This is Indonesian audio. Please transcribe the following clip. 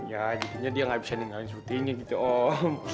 ya jadinya dia gak bisa ninggalin syutingnya gitu om